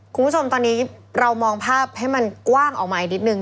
คุณผู้ชมตอนนี้เรามองภาพให้มันกว้างออกมาอีกนิดนึง